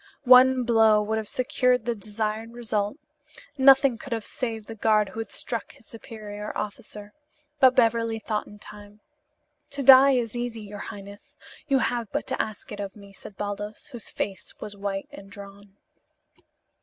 One blow would have secured the desired result. Nothing could have saved the guard who had struck his superior officer. But Beverly thought in time. "To die is easy, your highness. You have but to ask it of me," said Baldos, whose face was white and drawn.